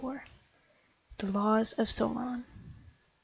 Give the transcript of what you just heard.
XXXIV. THE LAWS OF SOLON.